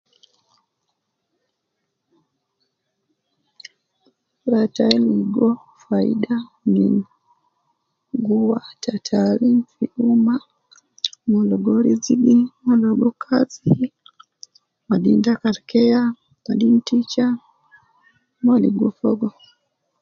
Usura tayi logo fayida min guwa ta taalim fi umma. Umon logo rizigi, umon logo kazi, wadin dakul keya, wadin teacher. Umon logo fogo.